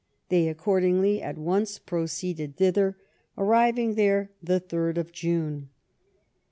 They accordingly at once proceeded thither, arriving there the ord June.